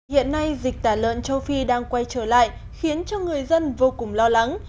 hiện nay dịch tả lợn châu phi đang quay trở lại khiến cho người dân vô cùng lo lắng